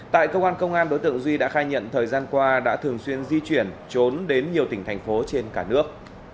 tại cơ quan công an đối tượng duy đã khai nhận thời gian qua đã thường xuyên di chuyển trốn đến nhiều tỉnh thành phố trên cả nước